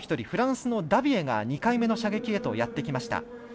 フランスのダビエが２回目の射撃にやってきました。